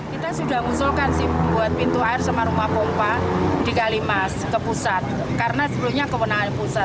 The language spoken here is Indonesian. kita sudah musuhkan buat pintu air sama rumah pompa di kalimas ke pusat karena sebelumnya kemenangan pusat